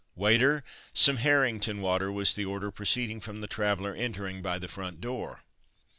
"Waiter, some Harrington water!" was the order proceeding from the traveller entering by the front door.